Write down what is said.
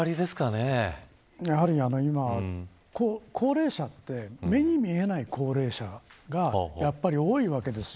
高齢者って目に見えない高齢者がやっぱり多いわけです。